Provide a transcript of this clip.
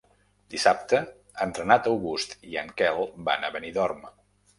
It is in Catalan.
Dissabte en Renat August i en Quel van a Benidorm.